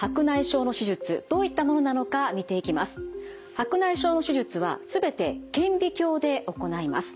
白内障の手術は全て顕微鏡で行います。